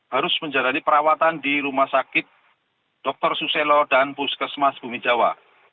harus menjalani perawatan di rumah sakit dr suselo dan puskesmas bumi jawa